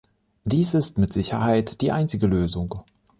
Dies ist mit Sicherheit die einzige Lösung.